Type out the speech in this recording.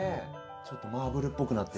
ちょっとマーブルっぽくなってて。